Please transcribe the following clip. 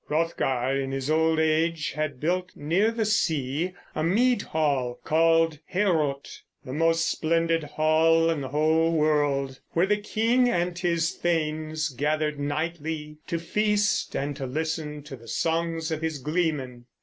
Hrothgar in his old age had built near the sea a mead hall called Heorot, the most splendid hall in the whole world, where the king and his thanes gathered nightly to feast and to listen to the songs of his gleemen.